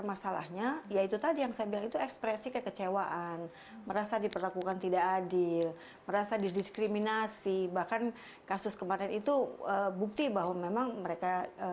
masalahnya ya itu tadi yang saya bilang itu ekspresi kekecewaan merasa diperlakukan tidak adil merasa didiskriminasi bahkan kasus kemarin itu bukti bahwa memang mereka